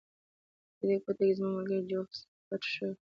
په دې کوټه کې زما ملګری جوزف پټ شوی و